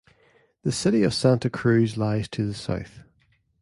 The city of Santa Cruz lies to the south.